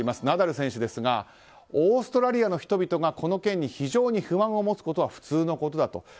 ナダル選手ですがオーストラリアの人々がこの件に非常に不満を持つことは普通のことだと。